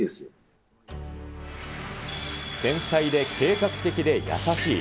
繊細で計画的で優しい。